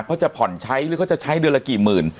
เขาจะผ่อนใช้หรือเขาจะใช้เดือนละกี่หมื่น